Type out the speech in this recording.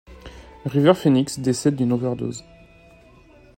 River Phoenix décède d'une overdose.